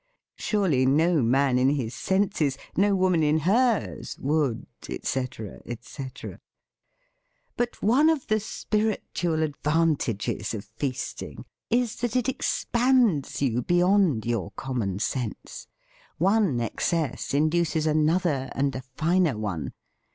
Surely no man in his senses, no woman in hers, would, etc., etc. ! But one of the spiritual advantages of feasting is that it ex pands you beyond your common sense. One excess induces another, and a finer one.